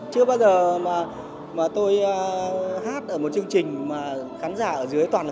chưa bao giờ mà tôi hát ở một chương trình mà khán giả ở dưới toàn